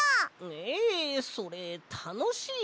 えそれたのしいかな。